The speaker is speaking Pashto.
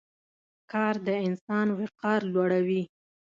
کار د انسان وقار لوړوي.